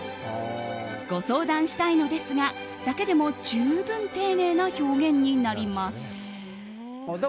ご相談したいのですがだけでも十分丁寧な表現になります。